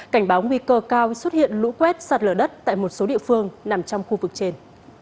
cảnh báo nguy cơ cao xuất hiện lũ quét sạt lở đất tại một số địa phương nằm trong khu vực trên